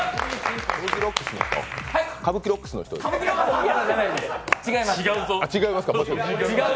歌舞伎ロックスの人ですか？